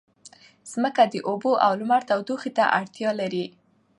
ځمکه د اوبو او لمر تودوخې ته اړتیا لري.